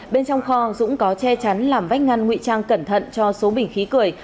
bên trong kho dũng có che chắn làm vách ngăn ngụy trang cẩn thận cho số bình khí cười